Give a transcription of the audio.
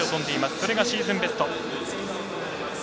それがシーズンベスト。